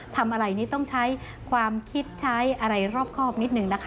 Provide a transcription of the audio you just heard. ทำอะไรนี้ต้องใช้ความคิดใช้อะไรรอบครอบนิดนึงนะคะ